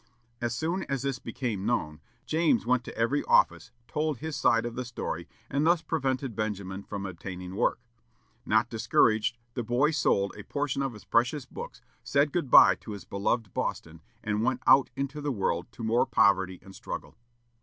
As soon as this became known, James went to every office, told his side of the story, and thus prevented Benjamin from obtaining work. Not discouraged, the boy sold a portion of his precious books, said good bye to his beloved Boston, and went out into the world to more poverty and struggle.